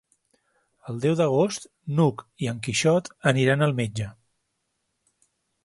El deu d'agost n'Hug i en Quixot aniran al metge.